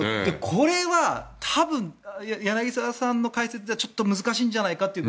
これは柳澤さんの解説ではちょっと難しいんじゃないかと。